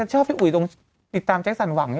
ชอบพี่อุ๋ยติดตามแจ๊กสันหวังฮะ